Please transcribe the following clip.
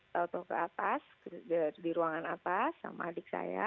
tau tau ke atas di ruangan atas sama adik saya